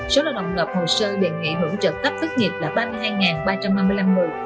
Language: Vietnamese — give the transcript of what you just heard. số lao động nộp hồ sơ đề nghị hưởng trợ cấp thất nghiệp là ba mươi hai ba trăm năm mươi năm người